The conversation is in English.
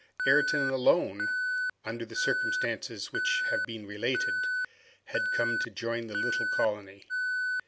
Ayrton, alone, under the circumstances which have been related, had come to join the little colony.